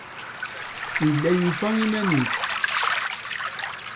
Yella yufa iman-nnes.